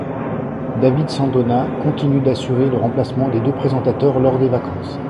David Sandona continue d'assurer le remplacement des deux présentateurs lors des vacances.